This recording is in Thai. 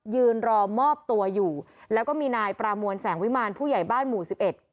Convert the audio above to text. ยืนรอมอบตัวอยู่แล้วก็มีนายปรามวลแสงวิมารผู้ใหญ่บ้านหมู่สิบเอ็ด